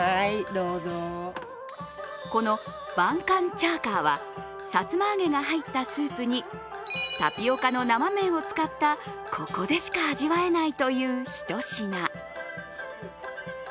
このバンカンチャーカーはさつま揚げが入ったスープにタピオカの生麺を使った、ここでしか味わえないというひと品。